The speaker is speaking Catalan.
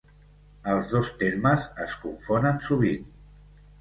Els dos termes es confonen sovint.